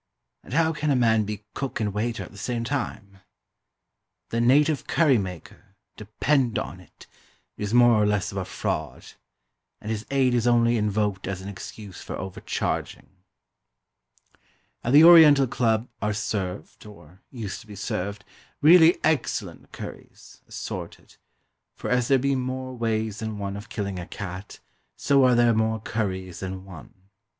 And how can a man be cook and waiter at the same time? The "native curry maker," depend on it, is more or less of a fraud; and his aid is only invoked as an excuse for overcharging. At the Oriental Club are served, or used to be served, really excellent curries, assorted; for as there be more ways than one of killing a cat, so are there more curries than one.